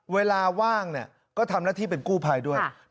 เวลาว่างก็ทำหน้าที่เป็นกู้ภัยด้วย